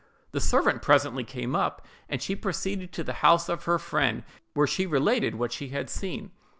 The servant presently came up, and she proceeded to the house of her friend, where she related what she had seen.